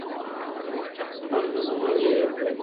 له خنډونو مه وېرېږئ.